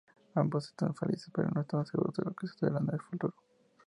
Ambos están felices, pero no están seguros de lo que sucederá en el futuro.